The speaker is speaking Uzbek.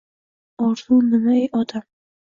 — Orzu nima, ey odam?